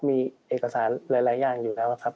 มีเอกสารหลายอย่างอยู่แล้วครับ